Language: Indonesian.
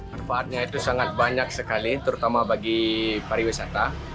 manfaatnya itu sangat banyak sekali terutama bagi pariwisata